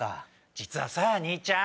実はさ兄ちゃん！